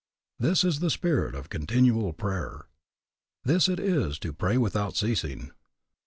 This is the spirit of continual prayer. This it is to pray without ceasing.